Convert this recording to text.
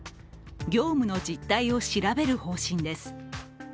業務の実態を調べる方針です。